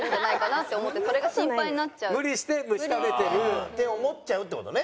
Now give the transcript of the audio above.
無理して虫食べてる。って思っちゃうって事ね。